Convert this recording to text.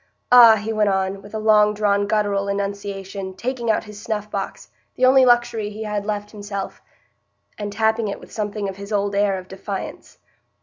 "Ah!" he went on, with a long drawn guttural enunciation, taking out his snuff box, the only luxury he had left himself, and tapping it with something of his old air of defiance.